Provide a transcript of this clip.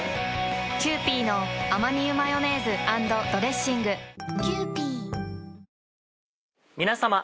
キユーピーのアマニ油マヨネーズ＆ドレッシング皆さま。